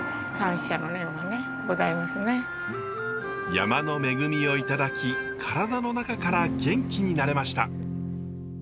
山の恵みをいただき体の中から元気になれました。